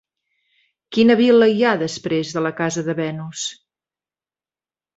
Quina vil·la hi ha després de la Casa de Venus?